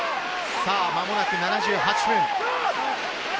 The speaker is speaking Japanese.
間もなく７８分。